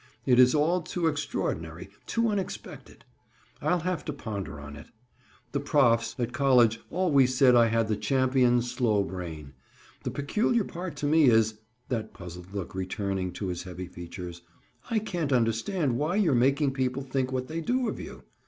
It is all too extraordinary—too unexpected. I'll have to ponder on it. The profs, at college always said I had the champion slow brain. The peculiar part to me is," that puzzled look returning to his heavy features, "I can't understand why you're making people think what they do of you?